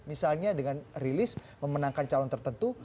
misalnya dengan rilis memenangkan calon tertentu